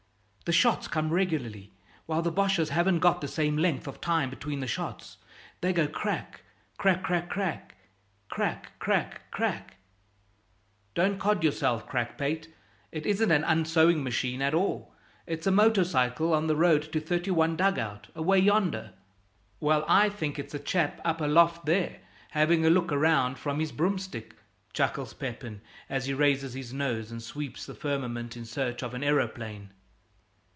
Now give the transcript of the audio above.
The shots come regularly, while the Boches' haven't got the same length of time between the shots; they go crack crack crack crack crack crack crack " "Don't cod yourself, crack pate; it isn't an unsewing machine at all; it's a motor cycle on the road to 31 dugout, away yonder." "Well, I think it's a chap up aloft there, having a look round from his broomstick," chuckles Pepin, as he raises his nose and sweeps the firmament in search of an aeroplane.